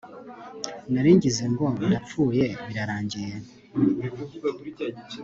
naringize ngo ndapfuye birarangiye